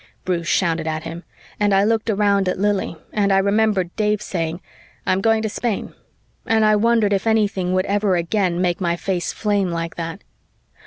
Bruce shouted at him, and I looked around at Lili and I remembered Dave saying, "I'm going to Spain," and I wondered if anything would ever again make my face flame like that.